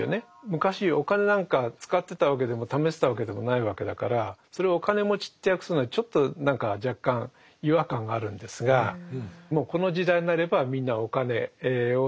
昔お金なんか使ってたわけでもためてたわけでもないわけだからそれをお金持ちって訳すのはちょっと何か若干違和感があるんですがもうこの時代になればみんなお金を使っていたしお金をためていた。